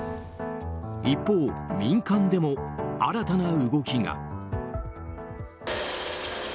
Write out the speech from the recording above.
一方、民間でも新たな動きが。